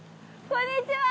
こんにちは。